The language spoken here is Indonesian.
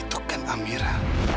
itu kan amira